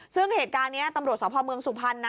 ซึ่งเหตุการณ์นี้ตำรวจสพเมืองสุพรรณนะ